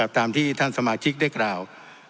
ตามที่ท่านสมาชิกได้กล่าว